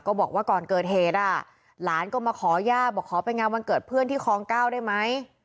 บอกว่าก่อนเกิดเหตุหลานก็มาขอย่าบอกขอไปงานวันเกิดเพื่อนที่คลองเก้าได้ไหม